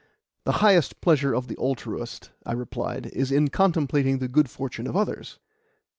"The highest pleasure of the altruist," I replied, "is in contemplating the good fortune of others."